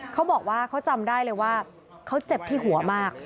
เขาบอกว่าเขาจำได้เลยว่าเขาเจ็บที่หัวมาก